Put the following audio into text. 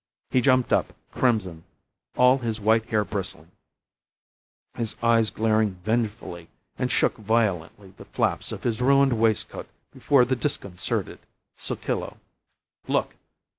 He jumped up, crimson, all his white hair bristling, his eyes glaring vengefully, and shook violently the flaps of his ruined waistcoat before the disconcerted Sotillo. "Look!